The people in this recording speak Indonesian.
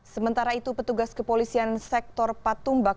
sementara itu petugas kepolisian sektor patumbak